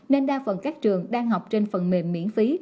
nên đa phần các trường đang học trên phần mềm miễn phí